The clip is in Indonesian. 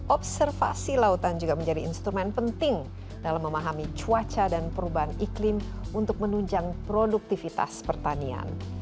observasi lautan juga menjadi instrumen penting dalam memahami cuaca dan perubahan iklim untuk menunjang produktivitas pertanian